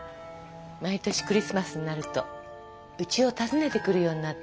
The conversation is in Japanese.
毎年クリスマスになるとうちを訪ねてくるようになったの。